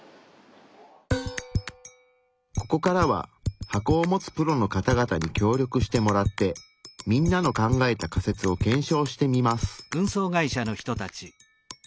ここからは箱を持つプロの方々に協力してもらってみんなの考えた仮説を検証してみます。